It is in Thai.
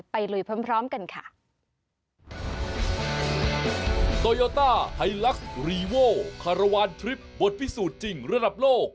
ไปลุยพร้อมกันค่ะ